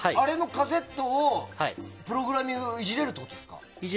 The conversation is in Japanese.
カセットのプログラミングをいじれるってことですか？